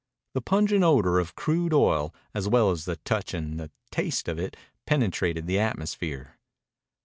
The pungent odor of crude oil, as well as the touch and the taste of it, penetrated the atmosphere.